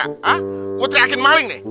mau teriakin maling nih